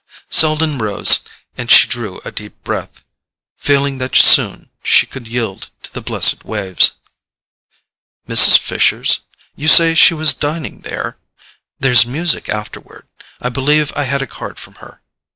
Selden rose, and she drew a deep breath, feeling that soon she could yield to the blessed waves. "Mrs. Fisher's? You say she was dining there? There's music afterward; I believe I had a card from her."